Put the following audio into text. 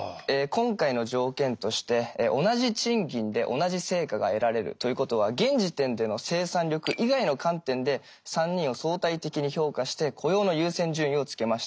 今回の条件として同じ賃金で同じ成果が得られるということは現時点での生産力以外の観点で３人を相対的に評価して雇用の優先順位をつけました。